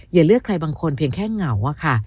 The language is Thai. อย่าเลือกใครบางคนเพียงแค่เหงาอะค่ะ